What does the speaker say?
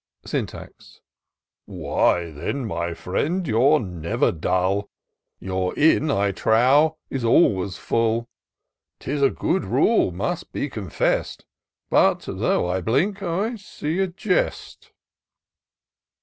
Syntax. " Why, then, my friend, you're never dull; Your inn, I trow, is always full :— 'lis a good rule, must be confest, But, though I blink, I see a jest."